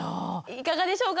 いかがでしょうか？